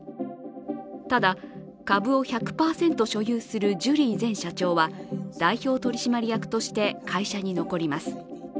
ただ、株を１００％所有するジュリー前社長は代表取締役として会社に残ります。